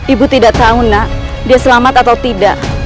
ibu tidak tahu nak dia selamat atau tidak